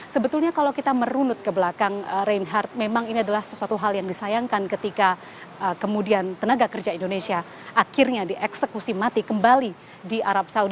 sebetulnya kalau kita merunut ke belakang reinhardt memang ini adalah sesuatu hal yang disayangkan ketika kemudian tenaga kerja indonesia akhirnya dieksekusi mati kembali di arab saudi